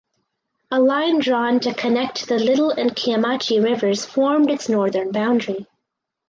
A line drawn to connect the Little and Kiamichi rivers formed its northern boundary.